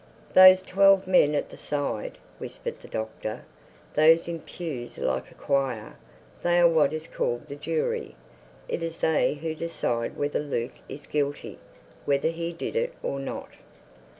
"Those twelve men at the side," whispered the Doctor—"those in pews like a choir, they are what is called the jury. It is they who decide whether Luke is guilty—whether he did it or not."